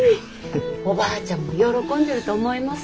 おばあちゃんも喜んでると思います。